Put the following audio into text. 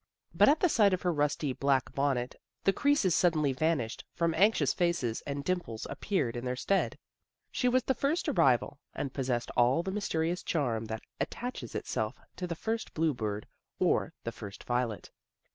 But at the sight of her rusty black bonnet the creases sud denly vanished from anxious faces and dimples appeared in their stead. She was the first arrival, and possessed all the mysterious charm that attaches itself to the first blue bird or the first violet.